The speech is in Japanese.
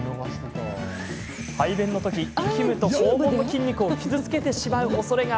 排便の時、息むと肛門の筋肉を傷つけてしまうおそれが。